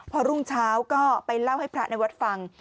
พอรุ่งเช้าก็ไปเล่าให้พระในวัดฟัง